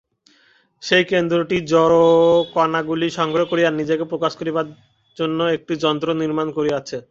সেই কেন্দ্রটি জড়কণাগুলি সংগ্রহ করিয়া নিজেকে প্রকাশ করিবার জন্য একটি যন্ত্র নির্মাণ করিয়াছে।